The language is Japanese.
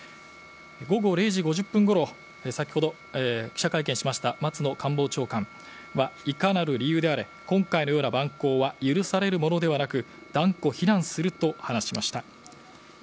午後０時５０分ごろ先ほど、記者会見しました松野官房長官はいかなる理由であれ今回のような蛮行は許されるものではなく断固、非難すると話しました。